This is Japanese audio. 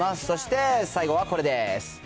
そして最後はこれです。